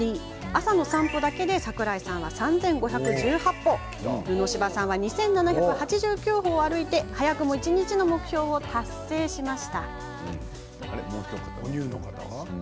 朝の散歩だけで櫻井さん、３５１８歩布柴さん、２７８９歩を歩き早くも一日の目標を達成しました。